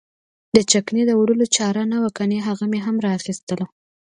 د چکنۍ د وړلو چاره نه وه کنه هغه مې هم را اخیستله.